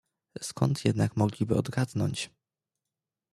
"Skąd jednak mogliby odgadnąć?"